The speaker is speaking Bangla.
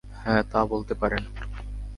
হ্যাঁ, তা বলতে পারেন।